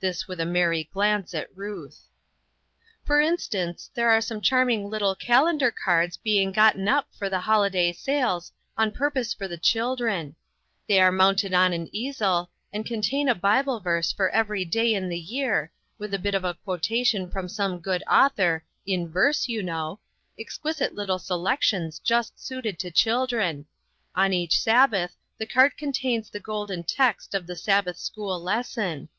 This with a merry glance at Ruth. " For instance, there are some charming little calendar cards being gotten up for the holiday sales, on purpose for the children. MAKING OPPORTUNITIES. 11$ They are mounted on an easel, and con tain a Bible verse for every day in the year, with a bit of a quotation from some good author, in verse, you know ; exquisite little selections, just suited to children ; on each Sabbath the card contains the Golden Text of the Sabbath school lesson.